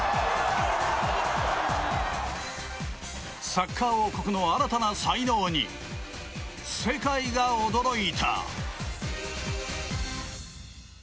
サッカー王国の新たな才能に世界が驚いた。